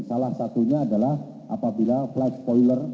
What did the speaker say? salah satunya adalah apabila flight spoiler